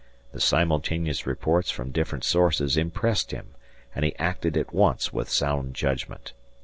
The simultaneous reports from different sources impressed him, and he acted at once with sound judgment.